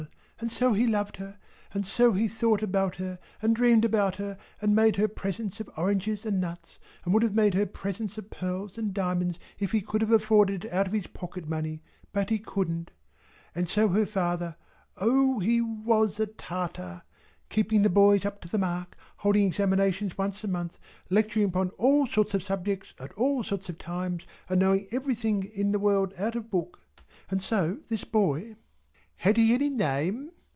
And so he loved her. And so he thought about her, and dreamed about her, and made her presents of oranges and nuts, and would have made her presents of pearls and diamonds if he could have afforded it out of his pocket money, but he couldn't. And so her father O, he WAS a Tartar! Keeping the boys up to the mark, holding examinations once a month, lecturing upon all sorts of subjects at all sorts of times, and knowing everything in the world out of book. And so this boy " "Had he any name?"